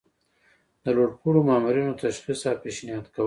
د لوړ پوړو مامورینو تشخیص او پیشنهاد کول.